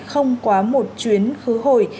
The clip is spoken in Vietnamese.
không quá một chuyến khứ hồi